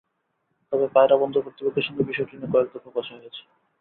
তবে পায়রা বন্দর কর্তৃপক্ষের সঙ্গে বিষয়টি নিয়ে কয়েক দফা বসা হয়েছে।